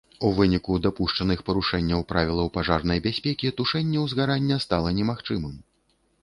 У выніку дапушчаных парушэнняў правілаў пажарнай бяспекі тушэнне узгарання стала немагчымым.